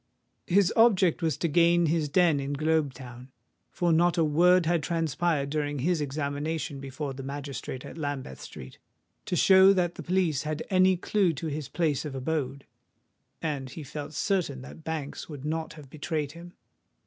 His object was to gain his den in Globe Town; for not a word had transpired during his examination before the magistrate at Lambeth Street, to show that the police had any clue to his place of abode; and he felt certain that Banks would not have betrayed him.